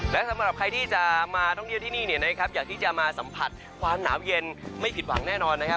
และสำหรับใครที่จะมาท่องเที่ยวที่นี่เนี่ยนะครับอยากที่จะมาสัมผัสความหนาวเย็นไม่ผิดหวังแน่นอนนะครับ